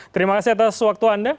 terima kasih atas waktu anda